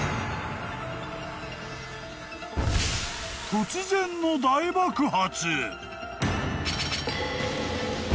［突然の大爆発］